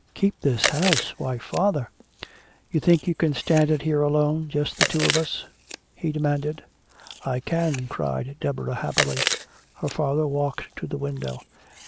"Keep this house? Why, father!" "You think you can stand it here alone, just the two of us?" he demanded. "I can," cried Deborah happily. Her father walked to the window.